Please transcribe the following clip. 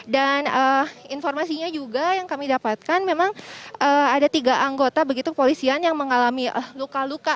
dan informasinya juga yang kami dapatkan memang ada tiga anggota begitu kepolisian yang mengalami luka luka